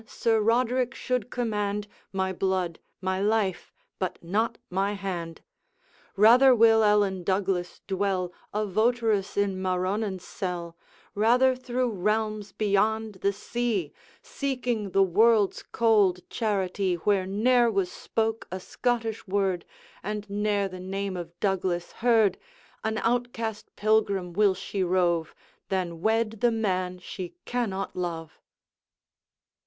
Sir Roderick should command My blood, my life, but not my hand. Rather will Ellen Douglas dwell A votaress in Maronnan's cell; Rather through realms beyond the sea, Seeking the world's cold charity Where ne'er was spoke a Scottish word, And ne'er the name of Douglas heard An outcast pilgrim will she rove, Than wed the man she cannot love.